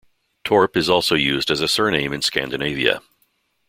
"Torp" is also used as a surname in Scandinavia.